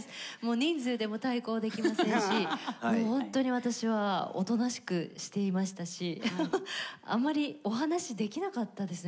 人数でも対抗できませんしもうほんとに私はおとなしくしていましたしあんまりお話できなかったですね